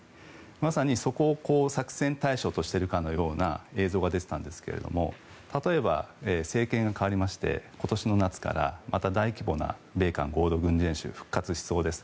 まさにそこを作戦対象としているかのような映像が出ていたんですが例えば、政権が代わりまして今年の夏からまた大規模な米韓合同軍事演習が復活しそうです。